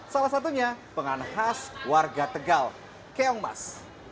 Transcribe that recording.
salah satunya penganan khas warga tegal keongmas